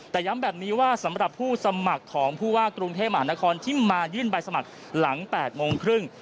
แต่ย้ำแบบนี้ว่าสำหรับผู้สมัครของผู้ว่ากรุงเทพมหานครที่มายื่นใบสมัครหลัง๘โมงครึ่ง